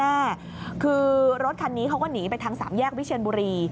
แน่คือรถคันนี้เขาก็หนีไปทางสามแยกวิเชียนบุรี